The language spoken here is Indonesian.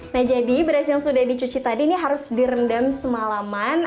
nah jadi beras yang sudah dicuci tadi ini harus direndam semalaman